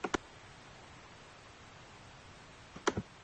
Esto conlleva la ecuación de Wheeler–DeWitt.